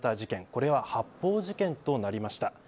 これは発砲事件となりました。